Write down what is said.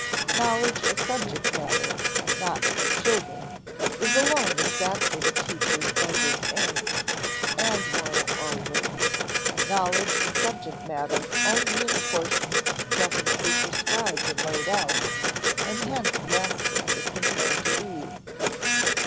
Knowledge of subject matter not of children is alone exacted of teachers by this aim; and, moreover, knowledge of subject matter only in portions definitely prescribed and laid out, and hence mastered with comparative ease.